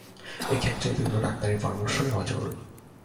এক্ষেত্রে দ্রুত ডাক্তারের পরামর্শ নেওয়া জরুরি।